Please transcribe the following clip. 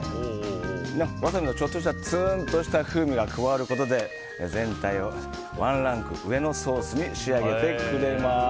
ワサビのちょっとしたツーンとした風味が加わることで全体をワンランク上のソースに仕上げてくれます。